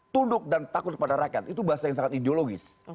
tunduk dan takut kepada rakyat itu bahasa yang sangat ideologis